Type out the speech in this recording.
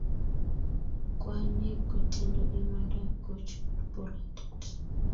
kwaknyik kotindo imanda kochut bolatet